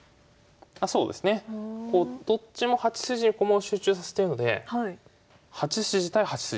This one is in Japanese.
あそうですね。どっちも８筋に駒を集中させてるので８筋対８筋。